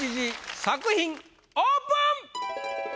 作品オープン！